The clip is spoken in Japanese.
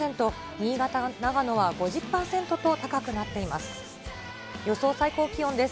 新潟、長野は５０％と高くなっています。